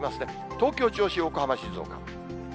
東京、銚子、横浜、静岡。